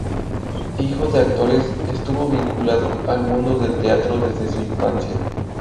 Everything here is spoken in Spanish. Hijo de actores, estuvo vinculado al mundo del teatro desde su infancia.